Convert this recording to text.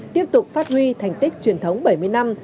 tiếp tục phát huy thành tích truyền thống bảy mươi năm